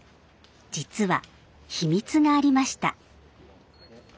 実は秘密がありました。